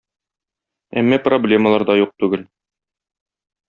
Әмма проблемалар да юк түгел.